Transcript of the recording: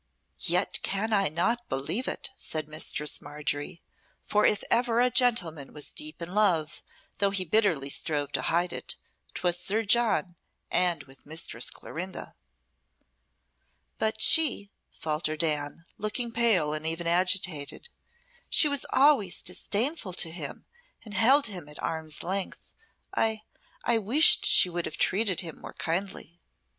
"Yet can I not believe it," said Mistress Margery; "for if ever a gentleman was deep in love, though he bitterly strove to hide it, 'twas Sir John, and with Mistress Clorinda." "But she," faltered Anne, looking pale and even agitated "she was always disdainful to him and held him at arm's length. I I wished she would have treated him more kindly."